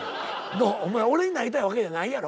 お前俺になりたいわけじゃないんやろ？